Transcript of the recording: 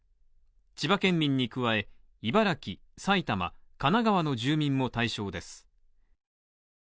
千葉県民に加え、茨城、埼玉、神奈川の住民も対象です。